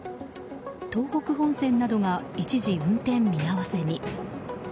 東北本線などが一時、運転見合わせに。